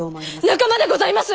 仲間でございます！